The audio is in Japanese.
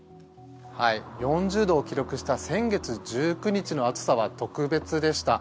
４０度を記録した先月１９日の暑さは特別でした。